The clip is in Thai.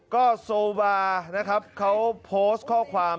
ก็โซวานะครับเขาโพสต์ข้อความ